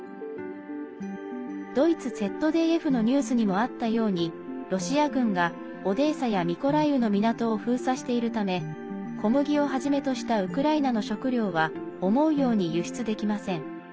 ドイツＺＤＦのニュースにもあったようにロシア軍がオデーサやミコライウの港を封鎖しているため小麦をはじめとしたウクライナの食糧は思うように輸出できません。